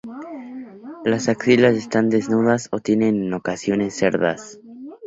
Las axilas están desnudas o tienen en ocasiones cerdas.